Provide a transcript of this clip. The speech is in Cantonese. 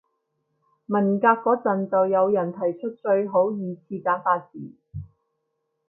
文革嗰陣就有人提出最好二次簡化字